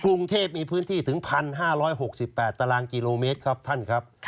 กรุงเทพมีพื้นที่ถึง๑๕๖๘ตารางกิโลเมตรครับท่านครับ